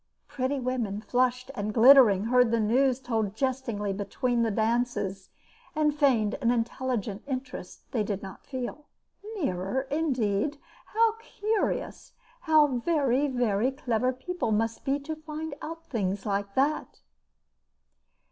Pretty women, flushed and glittering, heard the news told jestingly between the dances, and feigned an intelligent interest they did not feel. "Nearer! Indeed. How curious! How very, very clever people must be to find out things like that!"